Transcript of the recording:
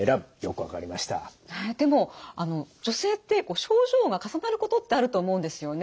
でも女性って症状が重なることってあると思うんですよね。